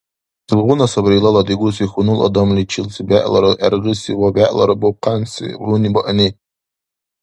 Илгъуна сабри илала дигуси хьунул адамличилси бегӀлара гӀергъиси ва бегӀлара бухъянси гьунибаъни.